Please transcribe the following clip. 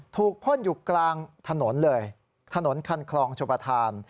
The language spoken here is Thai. พ่นอยู่กลางถนนเลยถนนคันคลองชมประธาน